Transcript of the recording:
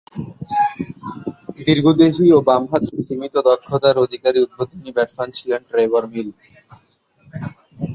দীর্ঘদেহী ও বামহাতে সীমিত দক্ষতার অধিকারী উদ্বোধনী ব্যাটসম্যান ছিলেন ট্রেভর মিল।